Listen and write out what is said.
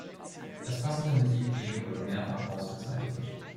Das passende Musikvideo wurde mehrfach ausgezeichnet.